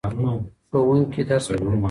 ښوونکي درس ورکوې.